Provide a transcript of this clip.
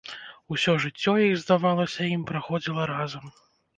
Усё жыццё іх, здавалася ім, праходзіла разам.